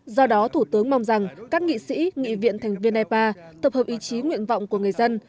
do đó thủ tướng mong rằng các nghị sĩ nghị viện thành viên ipa tập hợp ý chí nguyện vọng của người dân